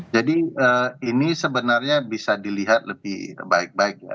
jadi ini sebenarnya bisa dilihat lebih baik baik ya